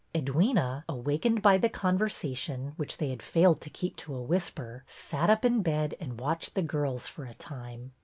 Edwyna, awakened by the conversation, which they had failed to keep to a whisper, sat up in bed and watched the girls for a time.